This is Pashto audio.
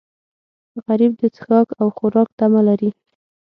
غریب د څښاک او خوراک تمه لري